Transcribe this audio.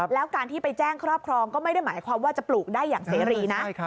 แล้วการที่ไปแจ้งครอบครองก็ไม่ได้หมายความว่าจะปลูกได้อย่างเสรีนะ